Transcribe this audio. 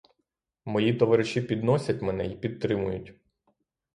Мої товариші підносять мене й підтримують.